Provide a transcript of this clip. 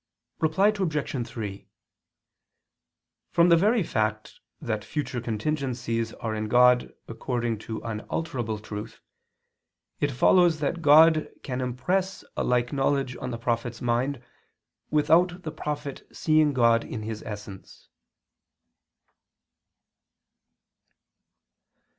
Reply Obj. 3: From the very fact that future contingencies are in God according to unalterable truth, it follows that God can impress a like knowledge on the prophet's mind without the prophet seeing God in His essence.